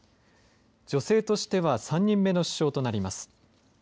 女性としては３人目の首相となります。